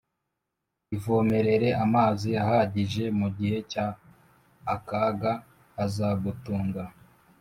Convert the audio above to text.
ivomerere amazi ahagije mugihe cya akaga azagutunga